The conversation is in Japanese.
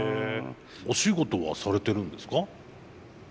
お仕事はされてるんですか？